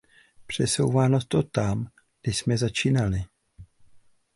Přesouvá nás to tam, kde jsme začínali.